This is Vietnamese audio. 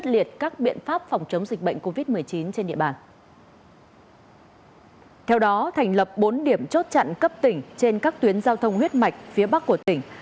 theo đó thành lập bốn điểm chốt chặn cấp tỉnh trên các tuyến giao thông huyết mạch phía bắc của tỉnh